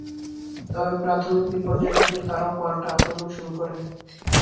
তবে প্রাথমিক বিপর্যয় কাটিয়ে তারাও পাল্টা আক্রমণ শুরু করে।